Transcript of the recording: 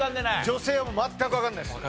女性はもう全くわかんないです。